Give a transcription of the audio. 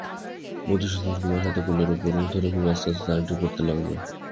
মধুসূদন কুমুর হাত কোলের উপর ধরে খুব আস্তে আস্তে আংটি পরাতে লাগল।